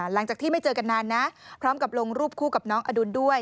หลังจากที่ไม่เจอกันนานนะพร้อมกับลงรูปคู่กับน้องอดุลด้วย